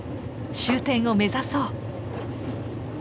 終点を目指そう。